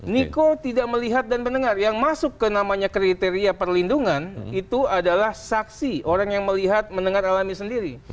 niko tidak melihat dan mendengar yang masuk ke namanya kriteria perlindungan itu adalah saksi orang yang melihat mendengar alami sendiri